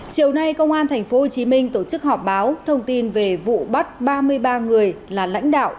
chiều nay công an tp hcm tổ chức họp báo thông tin về vụ bắt ba mươi ba người là lãnh đạo